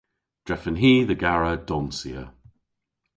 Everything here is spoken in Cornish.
Drefen hi dhe gara donsya.